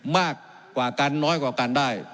มากกว่ากันน้อยกว่ากันได้